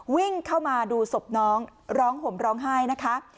วิ่งเข้ามาดูศพน้องร้องห่มร้องไห้นะคะ